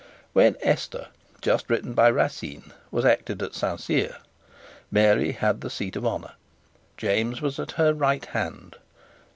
When Esther, just written by Racine, was acted at Saint Cyr, Mary had the seat of honour. James was at her right hand.